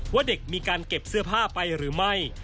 ว่าเด็กมีการเก็บเสื้อผ้าไปหรือไม่